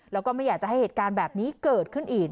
แล้วก็ไม่อยากจะให้เหตุการณ์แบบนี้เกิดขึ้นอีก